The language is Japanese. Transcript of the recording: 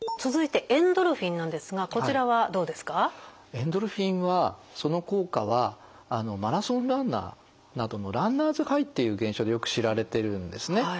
エンドルフィンはその効果はマラソンランナーなどのランナーズハイっていう現象でよく知られてるんですね。